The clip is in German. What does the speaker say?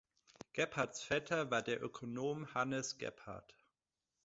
Gebhards Vetter war der Ökonom Hannes Gebhard.